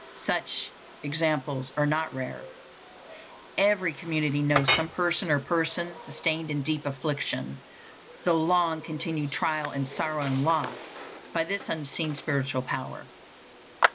Such examples are not rare. Every community knows some person or persons sustained in deep affliction, though long continued trial and sorrow and loss, by this unseen spiritual power.